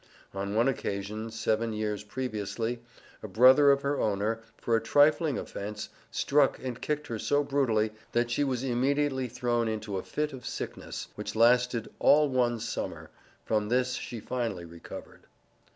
On one occasion, seven years previously, a brother of her owner for a trifling offence struck and kicked her so brutally, that she was immediately thrown into a fit of sickness, which lasted "all one summer" from this she finally recovered.